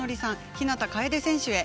日向楓選手へ。